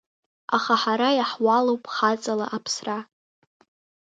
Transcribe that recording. Аха ҳара иаҳуалуп хаҵала аԥсра.